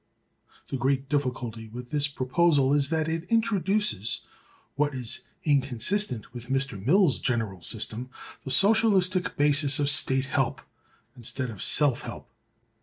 The great difficulty with this proposal is that it introduces (what is inconsistent with Mr. Mill's general system) the Socialistic basis of state help, instead of self help.